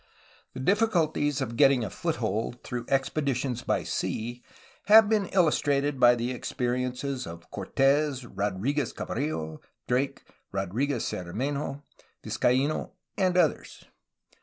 The difficulties of getting a foothold through expeditions by sea have been illustrated by the ex periences of Cortes, Rodriguez Cabrillo, Drake, Rodriguez Cermenho, Vizcaino, and others.